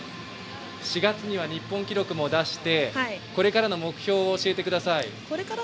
４月には日本記録も出してこれからの目標を教えてください。